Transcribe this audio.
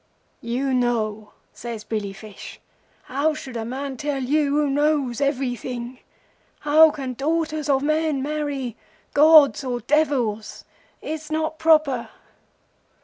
'You know,' says Billy Fish. 'How should a man tell you who know everything? How can daughters of men marry gods or devils? It's not proper.